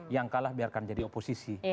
yang kalah biarkan jadi oposisi